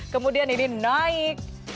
kemudian ini naik